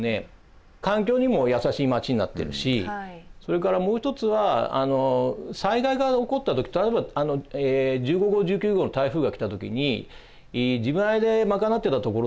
環境にも優しい町になってるしそれからもう一つは災害が起こった時例えば１５号１９号の台風が来た時に自前で賄ってたところ